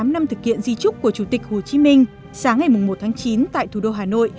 bốn mươi tám năm thực hiện di trúc của chủ tịch hồ chí minh sáng ngày mùng một tháng chín tại thủ đô hà nội